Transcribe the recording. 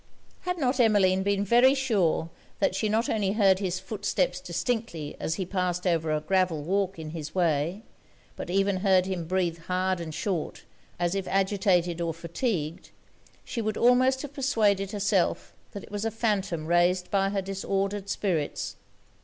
Had not Emmeline been very sure that she not only heard his footsteps distinctly as he passed over a gravel walk in his way, but even heard him breathe hard and short, as if agitated or fatigued, she would almost have persuaded herself that it was a phantom raised by her disordered spirits.